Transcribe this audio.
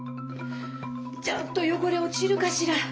ちゃんとよごれおちるかしら。